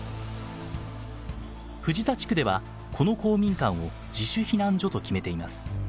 藤田地区ではこの公民館を自主避難所と決めています。